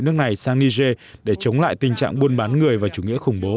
nước này sang niger để chống lại tình trạng